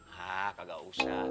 hah kagak usah